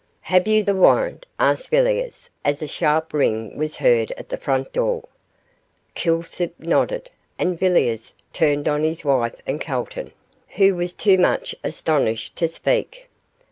'Have you the warrant,' asked Villiers, as a sharp ring was heard at the front door. Kilsip nodded, and Villiers turned on his wife and Calton, who were too much astonished to speak.